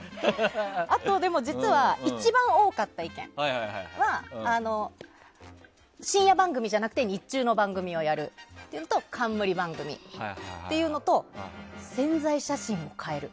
あと、でも実は一番多かった意見は深夜番組じゃなくて日中の番組をやるっていうのと冠番組というのと宣材写真を変える。